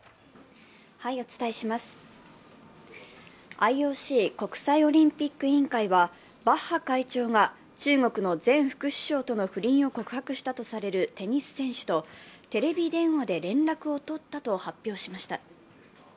ＩＯＣ＝国際オリンピック委員会はバッハ会長が中国の前副首相との不倫を告白したとされるテニス選手とテレビ電話で連絡を取ったと発表しました。